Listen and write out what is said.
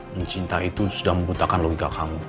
dan cinta itu sudah membutakan logika kamu